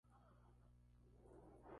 Crece en el páramo arbustivo.